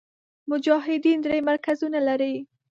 مجاهدین درې مرکزونه لري.